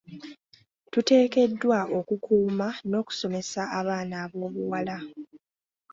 Tuteekeddwa okukuuma n'okusomesa abaana ab'obuwala.